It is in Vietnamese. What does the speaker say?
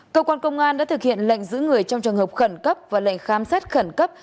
cơ quan công an đã thực hiện lệnh giữ người trong trường hợp khẩn cấp và lệnh khám xét khẩn cấp